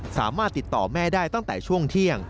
สามารถติดต่อแม่ได้ตั้งแต่ช่วงเที่ยง